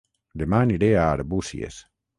Dema aniré a Arbúcies